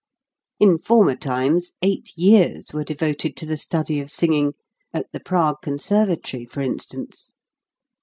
In former times eight years were devoted to the study of singing at the Prague Con servatory, for instance.